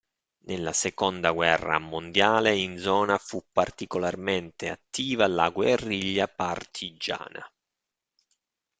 Nella seconda guerra mondiale in zona fu particolarmente attiva la guerriglia partigiana.